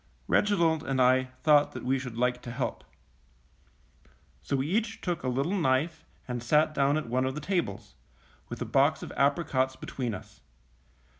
Reginald and I thought that we should like to help. So we each took a little knife and sat down at one of the tables, with a box of apricots between us.